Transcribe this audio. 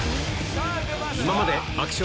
今まで「爆笑」